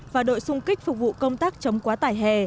và đội xung kích phục vụ công tác chống quá tải hè